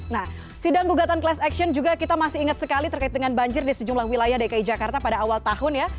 nah sidang gugatan class action juga kita masih ingat sekali terkait dengan banjir di sejumlah wilayah dki jakarta pada awal tahun ya